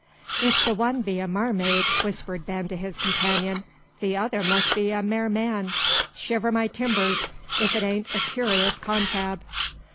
"If the one be a maremaid," whispered Ben to his companion, "the other must be a mareman. Shiver my timbers, if it ain't a curious confab!